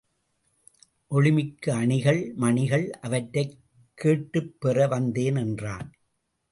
ஒளி மிக்க அணிகள் மணிகள் அவற்றைக் கேட்டுப் பெற வந்தேன் என்றான்.